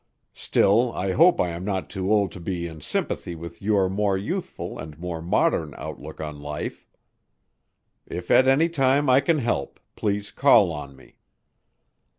Still I hope I am not too old to be in sympathy with your more youthful and more modern outlook on life. If at any time I can help, please call on me."